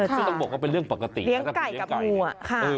ซึ่งต้องบอกว่าเป็นเรื่องปกติเลี้ยงไก่กับงู